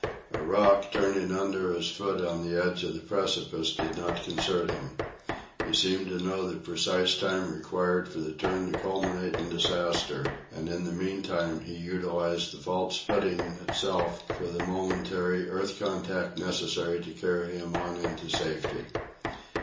A rock, turning under his foot on the edge of the precipice, did not disconcert him. He seemed to know the precise time required for the turn to culminate in disaster, and in the meantime he utilized the false footing itself for the momentary earth contact necessary to carry him on into safety.